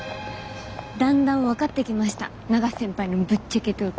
だんだん分かってきました永瀬先輩のぶっちゃけトーク。